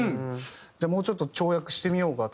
じゃあもうちょっと跳躍してみようか？とか。